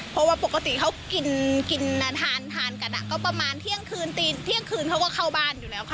เพราะว่าปกติเขากินกินทานกันประมาณเที่ยงคืนเขาก็เข้าบ้าน